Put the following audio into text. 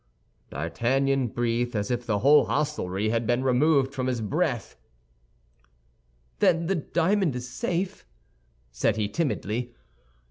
D'Artagnan breathed as if the whole hostelry had been removed from his breast. "Then the diamond is safe?" said he, timidly.